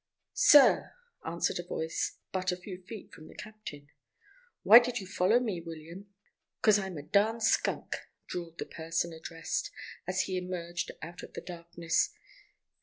"Sir!" answered a voice but a few feet from the captain. "Why did you follow me, William?" "Cos I'm a darn skunk," drawled the person addressed, as he emerged out of the darkness.